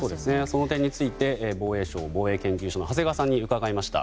その点について防衛省防衛研究所の長谷川さんに伺いました。